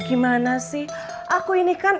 gimana sih aku ini kan